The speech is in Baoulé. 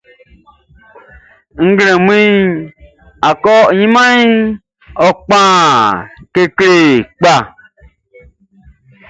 Nglɛmunʼn, akɔɲinmanʼn kpan kekle kpa.